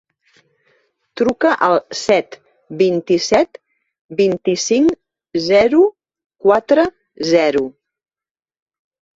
Truca al set, vint-i-set, vint-i-cinc, zero, quatre, zero.